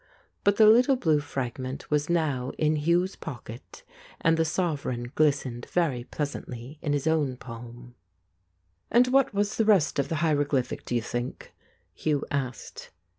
But the little blue fragment was now in Hugh's pocket, and the sovereign glistened very pleasantly in his own palm. 187 The Ape "And what was the rest of the hieroglyphic, do you think? " Hugh asked.